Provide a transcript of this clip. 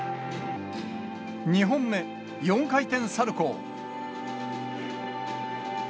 ２本目、４回転サルコー。